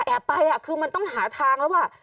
แอบไปอ่ะคือมันต้องหาทางแล้วอ่ะ